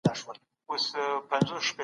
ما تېره شپه د انګلیسي ژبې یو فلم وکهمېشهی.